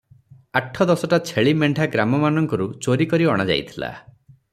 ଆଠ ଦଶଟା ଛେଳି ମେଣ୍ଢା ଗ୍ରାମମାନଙ୍କରୁ ଚୋରି କରି ଅଣାଯାଇଥିଲା ।